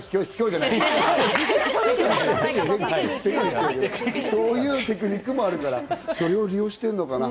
卑怯じゃない、そういうテクニックもあるから、それを利用してるのかな。